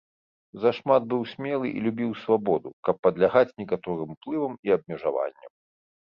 Зашмат быў смелы і любіў свабоду, каб падлягаць некаторым уплывам і абмежаванням.